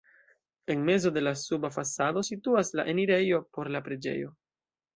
En mezo de la suba fasado situas la enirejo por la preĝejo.